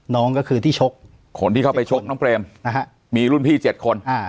น้องก็คือที่ชกคนที่เข้าไปชกน้องเปรมนะฮะมีรุ่นพี่๗คน